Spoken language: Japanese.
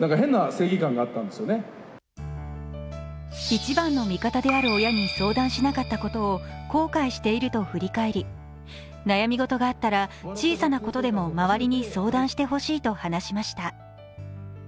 一番の味方である親に相談しなかったことを後悔していると振り返り、悩みごとがあったら小さなことでも周りに相談してほしいと話しました。